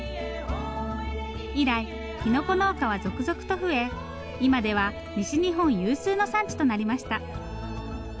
以来きのこ農家は続々と増え今では西日本有数の産地となりました。